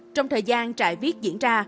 trong thời gian trại viết diễn ra